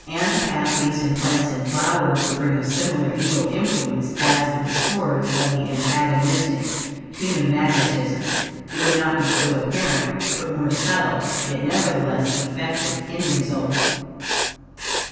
Antipathies in plants and flowers would bring a similar evil influence, as the discords of the antagonistic human magnetism. It would not be so apparent, but more subtle, yet nevertheless effective in result.